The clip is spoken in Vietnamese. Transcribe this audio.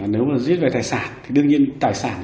nếu mà giết về tài sản thì đương nhiên tài sản